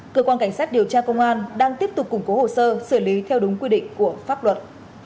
cơ quan cảnh sát điều tra công an đang tiếp tục củng cố hồ sơ xử lý theo đúng quy định của pháp luật